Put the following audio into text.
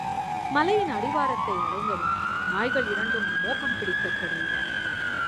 மலையின் அடிவாரத்தை அடைந்ததும், நாய்கள் இாண்டும் மோப்பம் பிடிக்கத் தொடங்கின.